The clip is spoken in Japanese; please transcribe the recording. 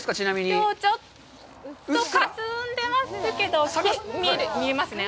きょう、ちょっとかすんでますけど、見えますね。